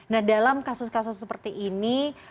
nah dalam kasus kasus seperti ini